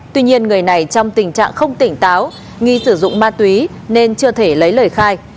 tuy nhiên người này trong tình trạng không tỉnh táo nghi sử dụng ma túy nên chưa thể lấy lời khai